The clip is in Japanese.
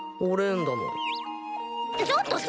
おれんだもん。